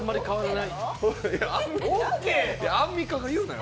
アンミカが言うなよ。